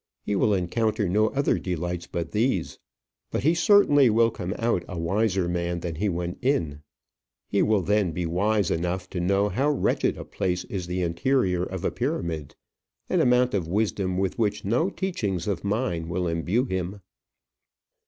He will encounter no other delights but these. But he certainly will come out a wiser man than he went in. He will then be wise enough to know how wretched a place is the interior of a pyramid an amount of wisdom with which no teaching of mine will imbue him.